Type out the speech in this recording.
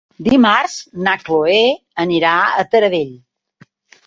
Dimarts na Chloé anirà a Taradell.